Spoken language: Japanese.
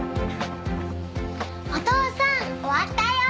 お父さん終わったよ！